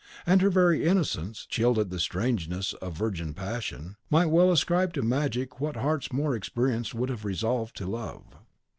And her very innocence, chilled at the strangeness of virgin passion, might well ascribe to magic what hearts more experienced would have resolved to love.